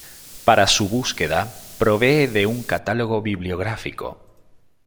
Para su búsqueda, provee de un catálogo bibliográfico.